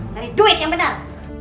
cari duit yang benar